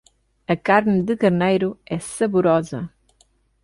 A carne de carneiro é saborosa